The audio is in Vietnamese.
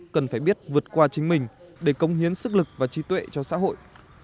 cần phải biết vượt qua chính mình để công hiến sức lực và trí tuệ cho xã hội